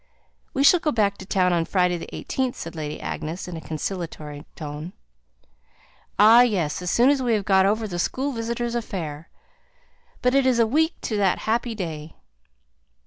"We shall go back to town on Friday the 18th," said Lady Agnes, in a consolatory tone. "Ah, yes! as soon as we have got over the school visitors' affair. But it is a week to that happy day."